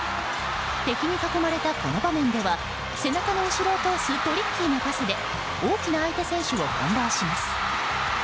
敵に囲まれたこの場面では背中の後ろを通すトリッキーなパスで大きな相手選手を翻弄します。